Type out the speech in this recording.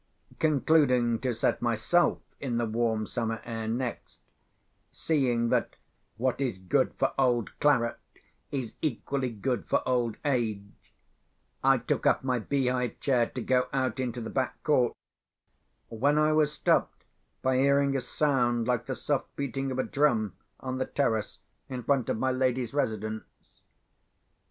Concluding to set myself in the warm summer air next—seeing that what is good for old claret is equally good for old age—I took up my beehive chair to go out into the back court, when I was stopped by hearing a sound like the soft beating of a drum, on the terrace in front of my lady's residence.